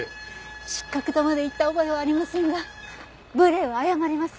失格とまで言った覚えはありませんが無礼は謝ります。